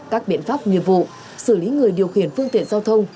các biện pháp nghiệp vụ xử lý người điều khiển phương tiện giao thông